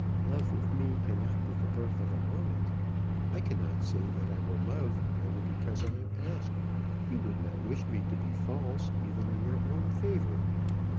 Love with me cannot be the birth of a moment. I cannot say that I will love merely because I am asked. You would not wish me to be false even in your own favour.